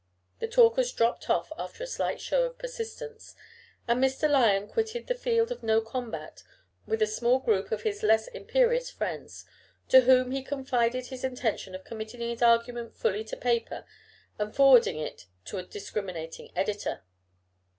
The talkers dropped off after a slight show of persistence, and Mr. Lyon quitted the field of no combat with a small group of his less imperious friends, to whom he confided his intention of committing his argument fully to paper, and forwarding it to a discriminating editor.